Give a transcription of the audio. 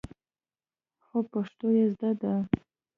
خو پښتو يې زده ده.